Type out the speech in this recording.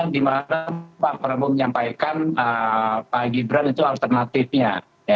dimana pak prabowo menyampaikan pak gibran itu alternatifnya